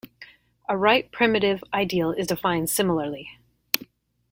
A right primitive ideal is defined similarly.